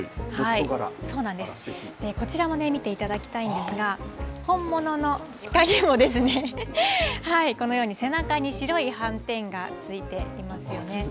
こちらも見ていただきたいんですが、本物の鹿にも、このように背中に白い斑点がついていますよね。